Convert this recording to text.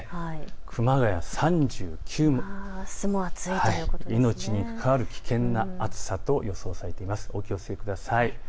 熊谷３９度、命に関わる危険な暑さと予想されています、お気をつけください。